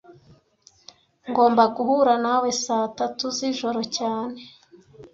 Ngomba guhura nawe saa tatu zijoro cyane